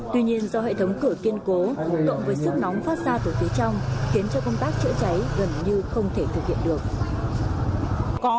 tuy nhiên do hệ thống cửa kiên cố cộng với sức nóng phát ra từ phía trong khiến cho công tác chữa cháy gần như không thể thực hiện được